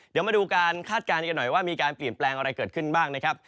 เดี๋ยวมาดูการคาดการณ์กันหน่อยว่ามีการเปลี่ยนแปลงอะไรเกิดขึ้นบ้างนะครับ